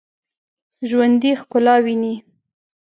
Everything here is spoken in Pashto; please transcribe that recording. ژوندي ښکلا ویني